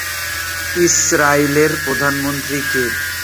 ইসরায়েলের প্রধানমন্ত্রী কে?